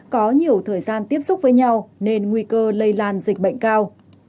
có nhiều thời gian tiếp xúc với nhau nên nguy cơ lây lan dịch bệnh cao